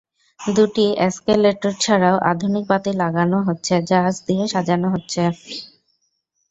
দুটি অ্যাসকেলেটর ছাড়াও আধুনিক বাতি লাগানো হচ্ছে, গাছ দিয়ে সাজানো হচ্ছে।